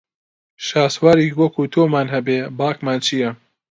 شاسوارێکی وەکوو تۆمان هەبێ باکمان چییە